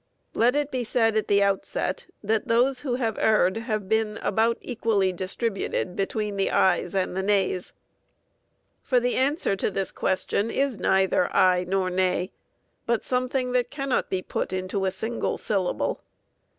Let it be said at the outset that those who have erred have been about equally distributed between the ayes and the nays. For the answer to this question is neither aye nor nay, but something that cannot be put into a single syllable.